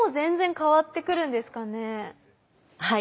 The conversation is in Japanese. はい。